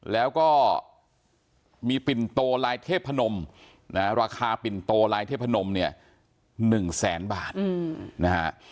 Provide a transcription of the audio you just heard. แล้วก็มีปิ่นโตลายเทพนมนะฮะราคาปิ่นโตลายเทพนมเนี่ย๑แสนบาทนะฮะ